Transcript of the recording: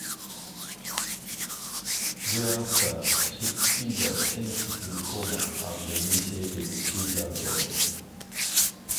Thereafter, Sid Caesar changed his format and initiated "Caesar's Hour".